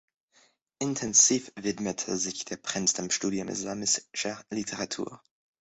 Intensiv widmete sich der Prinz dem Studium islamischer Literatur.